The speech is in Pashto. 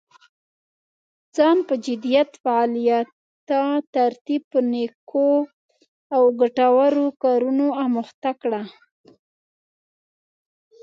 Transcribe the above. ځان په جديت، فعاليتا، ترتيب په نيکو او ګټورو کارونو اموخته کړه.